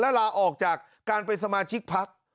และลาออกจากการเป็นสมาชิกพัก